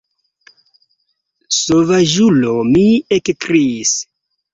Sovaĝulo mi ekkriis.